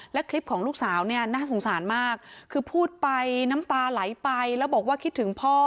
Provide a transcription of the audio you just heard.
และคลิปของลูกสาวเนี่ยน่าสงสารมากคือพูดไปน้ำตาไหลไปแล้วบอกว่าคิดถึงพ่อ